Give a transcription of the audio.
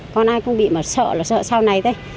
con ai cũng bị mà sợ là sợ sau này thôi